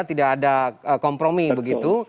tidak ada kompromi begitu